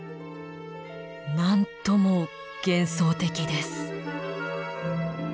なんとも幻想的です。